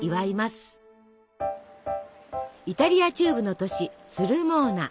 イタリア中部の都市スルモーナ。